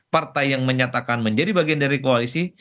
partai yang menyatakan menjadi bagian dari koalisi